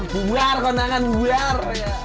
bumbar kondangan bumbar